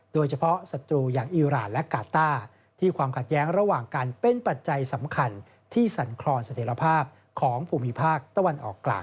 สัตรูอย่างอิราณและกาต้าที่ความขัดแย้งระหว่างกันเป็นปัจจัยสำคัญที่สั่นคลอนเสถียรภาพของภูมิภาคตะวันออกกลาง